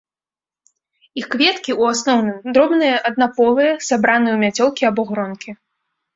Іх кветкі, у асноўным, дробныя аднаполыя, сабраныя ў мяцёлкі або гронкі.